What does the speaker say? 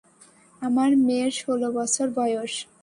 আমার মেয়ের ষোলো বছর বয়স।